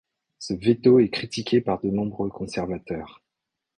Ce véto est critiqué par de nombreux conservateurs.